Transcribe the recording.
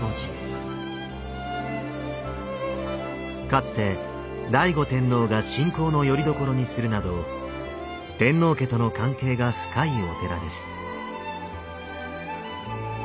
かつて醍醐天皇が信仰のよりどころにするなど天皇家との関係が深いお寺です。